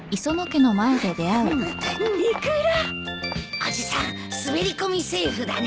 おじさん滑り込みセーフだね。